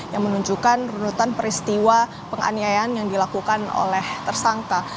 yang menunjukkan runutan peristiwa penganiayaan yang dilakukan oleh tersangka